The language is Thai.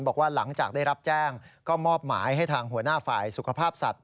บอกว่าหลังจากได้รับแจ้งก็มอบหมายให้ทางหัวหน้าฝ่ายสุขภาพสัตว